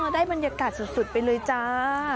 ได้บรรยากาศสุดไปเลยจ้า